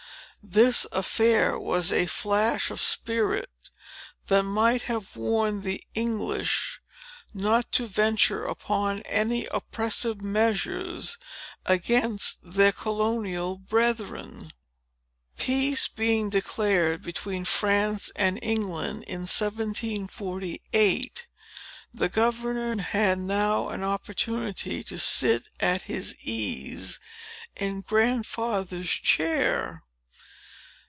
This affair was a flash of spirit, that might have warned the English not to venture upon any oppressive measures against their colonial brethren." Peace being declared between France and England in 1748, the governor had now an opportunity to sit at his ease in Grandfather's chair.